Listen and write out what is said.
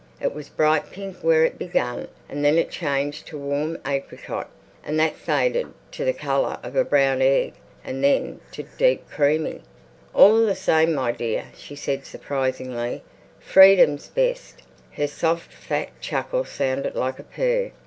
It was bright pink where it began and then it changed to warm apricot, and that faded to the colour of a brown egg and then to a deep creamy. "All the same, my dear," she said surprisingly, "freedom's best!" Her soft, fat chuckle sounded like a purr.